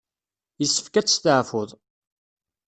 Yessefk ad testeɛfuḍ.